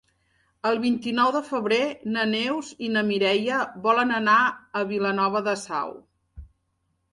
El vint-i-nou de febrer na Neus i na Mireia volen anar a Vilanova de Sau.